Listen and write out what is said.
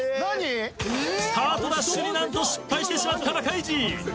スタートダッシュになんと失敗してしまったバカイジ。